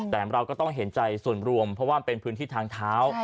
แต่เราก็ต้องเห็นใจส่วนรวมเพราะว่ามันเป็นพื้นที่ทางเท้า